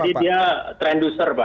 jadi dia trenduser pak